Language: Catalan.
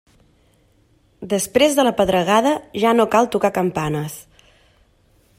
Després de la pedregada ja no cal tocar campanes.